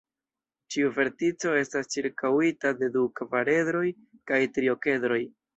Ĉiu vertico estas ĉirkaŭita de du kvaredroj kaj tri okedroj.